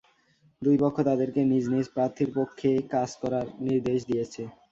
দুই পক্ষ তাঁদেরকে নিজ নিজ প্রার্থীর পক্ষে কাজ করার নির্দেশ দিয়েছে।